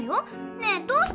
ねえどうして？